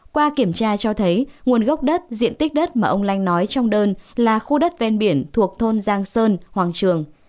qua kiểm tra cho thấy nguồn gốc đất diện tích đất mà ông lanh nói trong đơn là khu đất ven biển thuộc thôn giang sơn hoàng trường